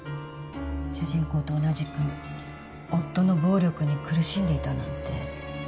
主人公と同じく夫の暴力に苦しんでいたなんて。